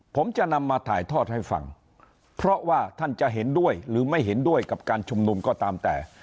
ผมจะนำมาถ่ายทอดให้ฟังเพราะว่าท่านจะเห็นด้วยหรือไม่เห็นด้วยกับการชุมนุมก็ตามแต่